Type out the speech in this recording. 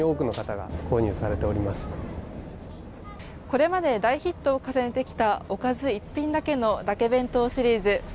これまで大ヒットを重ねてきたおかず一品だけのだけ弁当シリーズ。